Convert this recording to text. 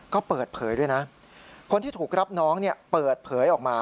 ก็เปิดเผยด้วยนะคนที่ถูกรับน้องเปิดเผยออกมา